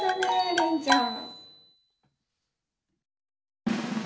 れんちゃん。